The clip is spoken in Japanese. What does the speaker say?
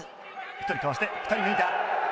１人かわして２人抜いた。